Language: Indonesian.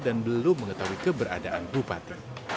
dan belum mengetahui keberadaan bupati